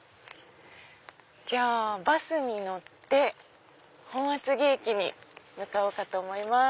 じゃあバスに乗って本厚木駅に向かおうかと思います。